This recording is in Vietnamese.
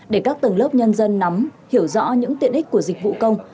để các tầng lớp nhân dân nắm hiểu rõ những tiện ích của dịch vụ công